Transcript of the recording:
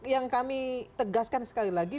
yang kami tegaskan sekali lagi